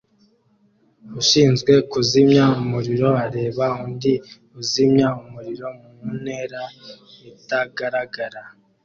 Ushinzwe kuzimya umuriro areba undi uzimya umuriro mu ntera itagaragara